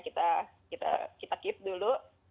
kita kasih layak pakai kita keep dulu